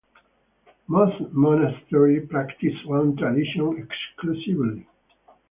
Most monasteries practice one tradition exclusively.